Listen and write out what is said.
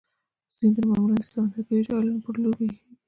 سیندونه معمولا د سمندرګیو یا جهیلونو په لوري بهیږي.